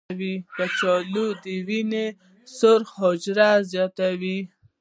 کچالو د وینې سرخ حجرې زیاتوي.